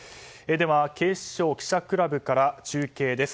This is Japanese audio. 警視庁記者クラブから中継です。